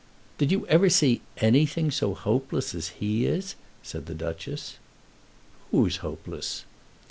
"Did you ever see anything so hopeless as he is?" said the Duchess. "Who is hopeless?"